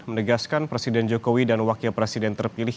menegaskan presiden jokowi dan wakil presiden terpilih